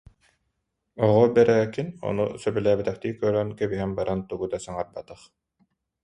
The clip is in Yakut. Оҕо Бэрээкин ону сөбүлээбэтэхтии көрөн кэбиһэн баран тугу да саҥарбатах